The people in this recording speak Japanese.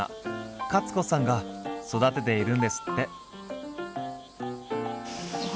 カツ子さんが育てているんですって。